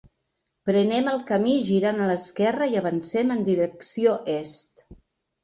Prenem el camí girant a l'esquerra i avancem en direcció est.